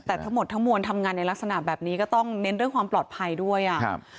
แต่ทั้งหมดทั้งมวลทำงานในลักษณะแบบนี้ก็ต้องเน้นเรื่องความปลอดภัยด้วยอ่ะครับ